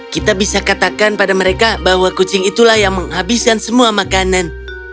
kita bisa katakan pada mereka bahwa kucing itulah yang menghabiskan semua makanan